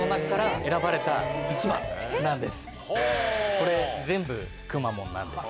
これ全部くまモンなんです。